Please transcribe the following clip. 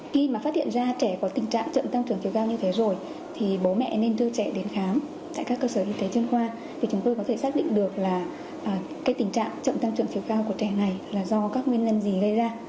khi mà phát hiện ra trẻ có tình trạng chậm tăng trưởng chiều cao như thế rồi thì bố mẹ nên đưa trẻ đến khám tại các cơ sở y tế chuyên khoa để chúng tôi có thể xác định được là cái tình trạng chậm tăng trưởng chiều cao của trẻ này là do các nguyên nhân gì gây ra